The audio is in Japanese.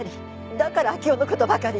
だから明生のことばかり。